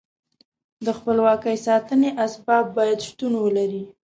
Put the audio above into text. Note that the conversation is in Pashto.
د خپلواکۍ ساتنې اسباب باید شتون ولري.